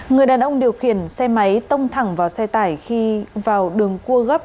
người đàn ông điều khiển xe máy tông thẳng vào xe tải khi vào đường cua gấp